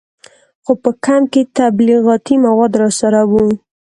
خو په کمپ کې تبلیغاتي مواد راسره وو.